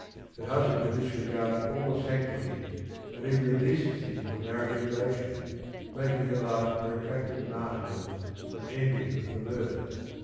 Her husband had disregarded all the sanctities and even the decencies of the mar riage relation, making her life a protracted mar tyrdom and ending with the murder.